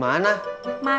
makan yang banyak